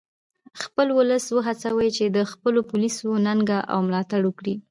خپل ولس و هڅوئ چې د خپلو پولیسو ننګه او ملاتړ وکړي